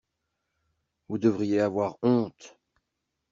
Vous devriez avoir honte.